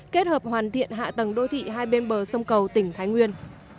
kết hợp hoàn thiện hạ tầng đô thị hai bên bờ sông cầu tỉnh thái nguyên